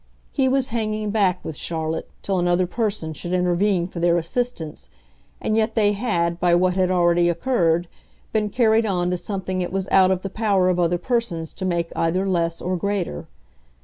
He was hanging back, with Charlotte, till another person should intervene for their assistance, and yet they had, by what had already occurred, been carried on to something it was out of the power of other persons to make either less or greater.